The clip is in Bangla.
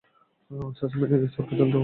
চাচা মিয়া, নিজের চরকায় তেল দিলে ভালো হয় না?